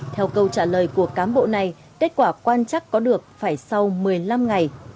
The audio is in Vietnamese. theo câu trả lời của cán bộ này kết quả quan chắc có được phải sau một mươi năm ngày